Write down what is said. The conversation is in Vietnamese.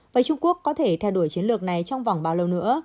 vậy trung quốc có thể theo đuổi chiến lược này trong vòng bao lâu nữa